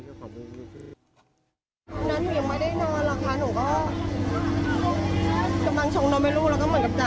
เพราะฉะนั้นหนูยังไม่ได้นอนหรอกค่ะ